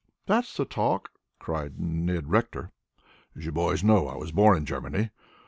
"That's the talk," cried Ned Rector. "As you boys know, I was born in Germany.